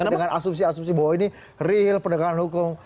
anda dengan asumsi asumsi bahwa ini real pendekatan hukum